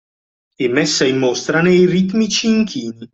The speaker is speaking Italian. E messa in mostra nei ritmici inchini.